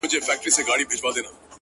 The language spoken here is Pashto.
دا ستا د مستو گوتو له سيتاره راوتلي’